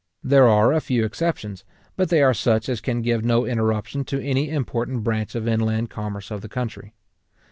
There are a few exceptions, but they are such as can give no interruption to any important branch of inland commerce of the country.